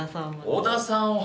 小田さんは。